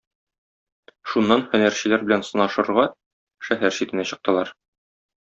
Шуннан һөнәрчеләр белән сынашырга шәһәр читенә чыктылар.